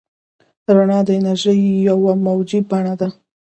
رڼا د انرژۍ یوه موجي بڼه ده.